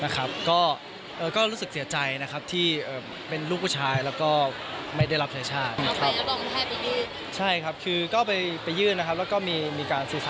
ก็รู้สึกเสียใจที่เป็นลูกผู้ชายแล้วก็ไม่ได้รับชาติ